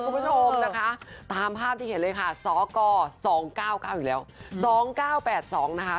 คุณผู้ชมนะคะตามภาพที่เห็นเลยค่ะสก๒๙๙อีกแล้ว๒๙๘๒นะคะ